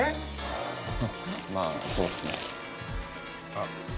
あっ。